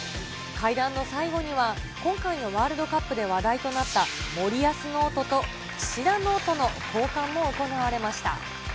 会談の最後には、今回のワールドカップで話題となった森保ノートと岸田ノートの交換も行われました。